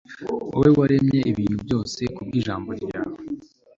wowe waremye ibintu byose ku bw'ijambo ryawe